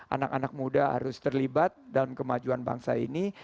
anak anak muda harus terlibat dalam kemajuan bangsa ini